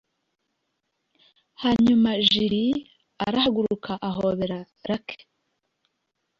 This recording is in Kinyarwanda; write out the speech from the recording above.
Hanyuma Jill arahaguruka ahobera Lucy